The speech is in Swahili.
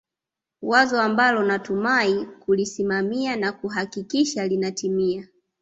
wazo ambalo natumai kulisimamia na kuhakikisha linatimia